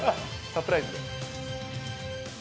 サプライズで。